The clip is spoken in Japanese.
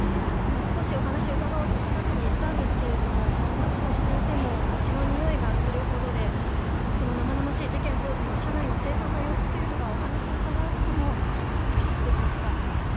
少しお話を伺おうと近くに行ったんですがマスクをしていても血の匂いがするほどで生々しい事件当時の車内の凄惨な様子がお話を伺わずとも伝わってきました。